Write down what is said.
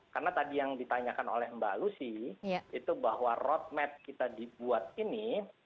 karena tadi yang ditanyakan oleh mbak lucy itu bahwa road map kita dibuat ini